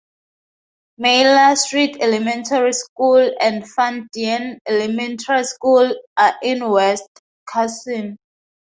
Meyler Street Elementary School and Van Deene Elementary School are in West Carson.